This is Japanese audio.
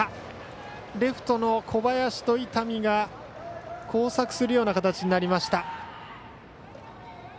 レフトの小林と伊丹が交錯するような形になりました。